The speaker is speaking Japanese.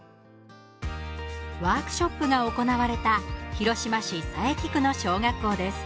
ワークショップが行われた広島市佐伯区の小学校です。